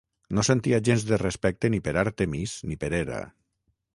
No sentia gens de respecte ni per Àrtemis ni per Hera.